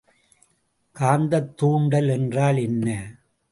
காந்தத்தூண்டல் என்றால் என்ன?